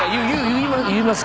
言います。